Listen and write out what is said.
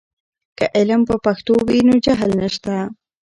که علم په پښتو وي، نو جهل نشته.